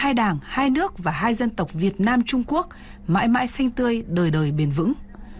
hai đảng hai nước và hai dân tộc việt nam trung quốc mãi mãi xanh tươi đời đời bền vững